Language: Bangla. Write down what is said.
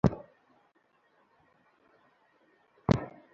এতে গাড়িটি নিয়ন্ত্রণ হারিয়ে মহাসড়কের পাশে গাছের সঙ্গে ধাক্কা খেয়ে দুমড়েমুচড়ে যায়।